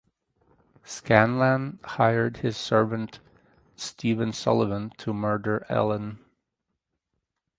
Scanlan hired his servant Stephen Sullivan to murder Ellen.